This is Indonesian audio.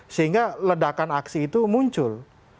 sehingga ledakan aksi itu muncul